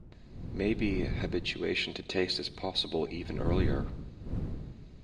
Maybe habituation to taste is possible even earlier.